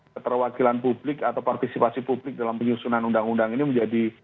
keterwakilan publik atau partisipasi publik dalam penyusunan undang undang ini menjadi